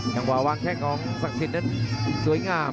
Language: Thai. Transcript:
จังหวะวางแข้งของศักดิ์สิทธิ์นั้นสวยงาม